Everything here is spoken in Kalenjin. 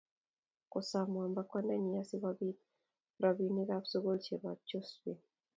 Kosom Mwamba kwandanyi asikobit robinikab sukul chebo Josephine